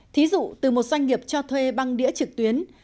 thí dụ từ một doanh nghiệp cho thuê băng đĩa trực tuyến